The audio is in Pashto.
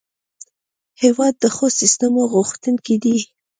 هېواد د ښو سیسټم غوښتونکی دی.